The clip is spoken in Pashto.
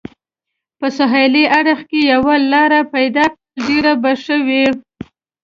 په سهېلي اړخ کې یوه لار پیدا کړل، ډېر به ښه وي.